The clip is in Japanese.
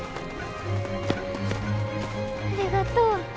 ありがとう。